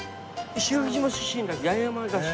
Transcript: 石垣島出身八重山だし。